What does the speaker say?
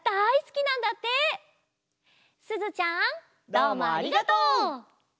どうもありがとう！